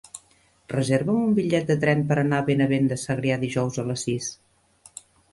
Reserva'm un bitllet de tren per anar a Benavent de Segrià dijous a les sis.